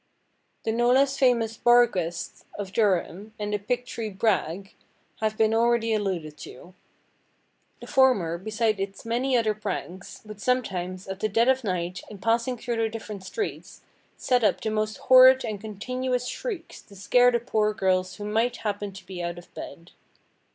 The no less famous barguest of Durham, and the Picktree–brag, have been already alluded to. The former, beside its many other pranks, would sometimes, at the dead of night, in passing through the different streets, set up the most horrid and continuous shrieks to scare the poor girls who might happen to be out of bed.